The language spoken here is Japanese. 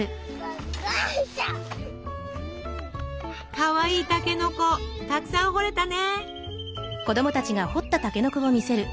かわいいたけのこたくさん掘れたね！